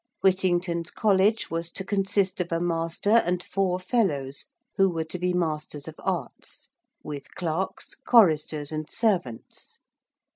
Whittington's College was to consist of a Master and four Fellows who were to be Masters of Arts with clerks, choristers, and servants.